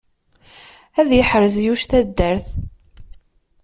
Ad yeḥrez Yuc taddart!